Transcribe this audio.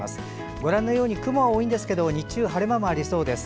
ご覧のように雲は多いんですが日中晴れ間がありそうです。